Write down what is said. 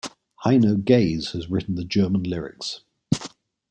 Heino Gaze has written the German lyrics.